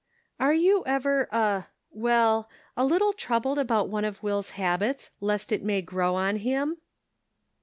"Are you never a — well — a little troubled about one of Will's habits, lest it may grow on him?"